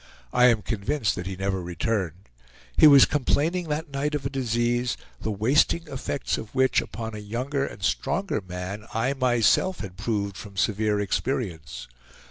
I am convinced that he never returned; he was complaining that night of a disease, the wasting effects of which upon a younger and stronger man, I myself had proved from severe experience.